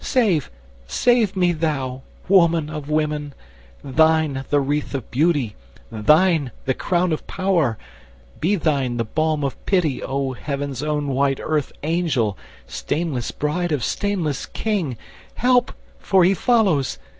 Save, save me thou—Woman of women—thine The wreath of beauty, thine the crown of power, Be thine the balm of pity, O Heaven's own white Earth angel, stainless bride of stainless King— Help, for he follows!